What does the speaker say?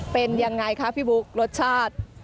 เป็นอย่างไรครับพี่บุ๊ครสชาติ